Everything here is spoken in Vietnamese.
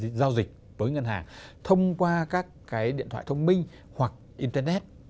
các cái giao dịch với ngân hàng thông qua các cái điện thoại thông minh hoặc internet